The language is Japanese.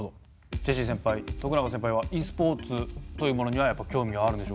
ジェシーセンパイ徳永センパイはｅスポーツというものにはやっぱ興味はあるんでしょうか？